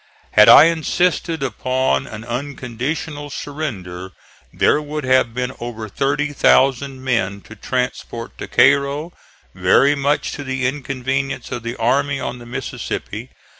Had I insisted upon an unconditional surrender there would have been over thirty thousand men to transport to Cairo, very much to the inconvenience of the army on the Mississippi.